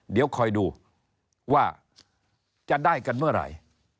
เดี๋ยวคอยดูว่าจะได้กันเมื่อไหร่